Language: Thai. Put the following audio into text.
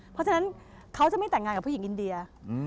เพราะฉะนั้นเขาจะไม่แต่งงานกับผู้หญิงอินเดีย